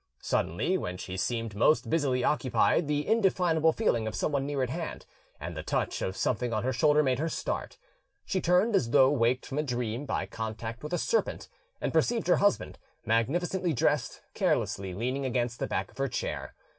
Suddenly, when she seemed most busily occupied, the indefinable feeling of someone near at hand, and the touch of something on her shoulder, made her start: she turned as though waked from a dream by contact with a serpent, and perceived her husband, magnificently dressed, carelessly leaning against the back of her chair.